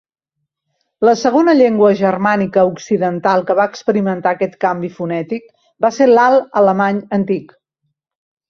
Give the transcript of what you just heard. La segona llengua germànica occidental que va experimentar aquest canvi fonètic va ser l'alt alemany antic.